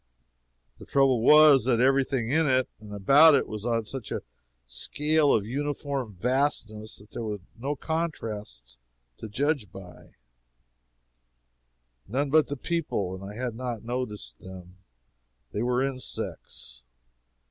The trouble was that every thing in it and about it was on such a scale of uniform vastness that there were no contrasts to judge by none but the people, and I had not noticed them. They were insects.